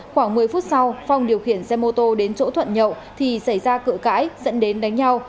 khoảng một mươi phút sau phong điều khiển xe mô tô đến chỗ thuận nhậu thì xảy ra cự cãi dẫn đến đánh nhau